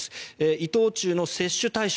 伊藤忠の接種対象